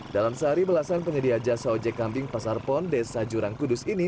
dalam sehari belasan penyedia jasa ojek kambing pasar pon desa jurang kudus ini